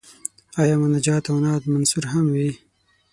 آیا مناجات او نعت منثور هم وي.